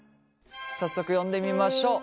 早速呼んでみましょう。